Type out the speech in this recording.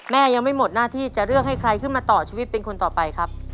ยังไม่หมดหน้าที่จะเลือกให้ใครขึ้นมาต่อชีวิตเป็นคนต่อไปครับ